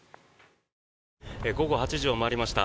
午後８時を回りました。